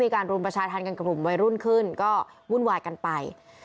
กลูบวุ่นวายกันไป